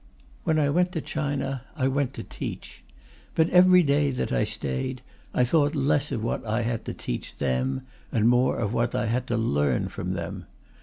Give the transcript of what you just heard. When I went to China, I went to teach; but every day that I stayed I thought less of what I had to teach them and more of what I had to learn from them.